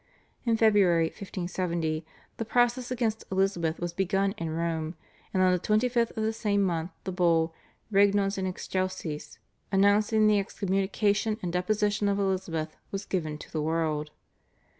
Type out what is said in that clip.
In February (1570) the process against Elizabeth was begun in Rome, and on the 25th of the same month the Bull, /Regnans in Excelsis/, announcing the excommunication and deposition of Elizabeth was given to the world.